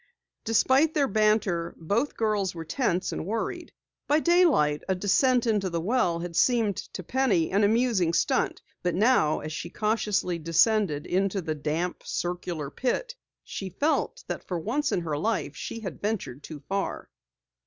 Despite their banter, both girls were tense and worried. By daylight, a descent into the well had seemed to Penny an amusing stunt; but now as she cautiously descended into the damp, circular pit, she felt that for once in her life she had ventured too far.